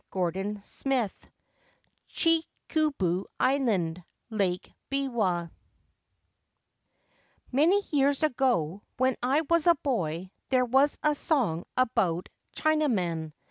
125 XXI CHIKUBU ISLAND, LAKE BIWA MANY years ago, when I was a boy, there was a song about a Chinaman.